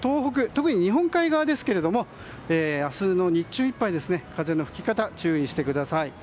特に日本海側ですが明日の日中いっぱい風の吹き方に注意してください。